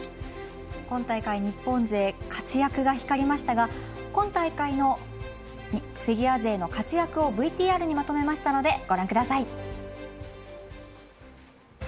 今大会、日本勢活躍が光りましたが今大会のフィギュア勢の活躍をＶＴＲにまとめましたのでご覧ください。